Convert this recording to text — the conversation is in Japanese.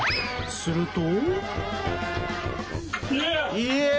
すると。